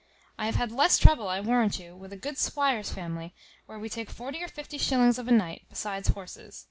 I have had less trouble, I warrant you, with a good squire's family, where we take forty or fifty shillings of a night, besides horses.